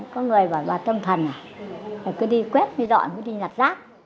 có người bảo bà tâm thần à cứ đi quét đi dọn cứ đi nhặt rác